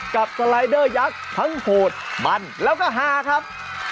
กับสไลเดอร์ยักษ์ทั้งโหดมันแล้วก็ฮาครับ